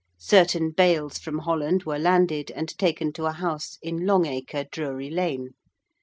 Certain bales from Holland were landed and taken to a house in Long Acre, Drury Lane.